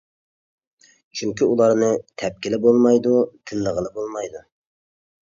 چۈنكى ئۇلارنى تەپكىلى بولمايدۇ، تىللىغىلى بولمايدۇ.